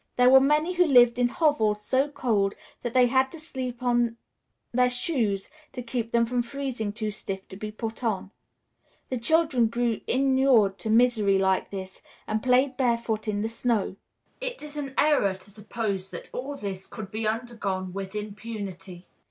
There were many who lived in hovels so cold that they had to sleep on their shoes to keep them from freezing too stiff to be put on. The children grew inured to misery like this, and played barefoot in the snow. It is an error to suppose that all this could be undergone with impunity.